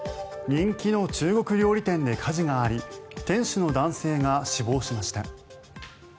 人気の中国料理店で火事があり店主の男性が死亡しました。